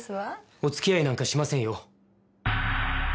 お付き合いなんかしませんよ。